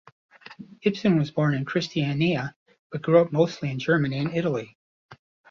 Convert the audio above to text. Ibsen was born in Christiania, but grew up mostly in Germany and Italy.